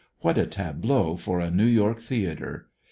What a tableau for a New York theatre?